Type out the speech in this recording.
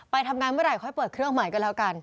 ไปทำงานเมื่อไหร่ค่อยเปิดเครื่องใหม่ก็แล้วกัน